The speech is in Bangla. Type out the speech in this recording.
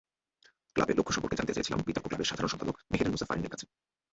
ক্লাবের লক্ষ্য সম্পর্কে জানতে চেয়েছিলাম বিতর্ক ক্লাবের সাধারণ সম্পাদক মেহেরুন্নেসা ফারিনের কাছে।